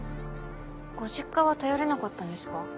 ご実家は頼れなかったんですか？